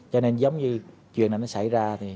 cho nên giống như chuyện này nó xảy ra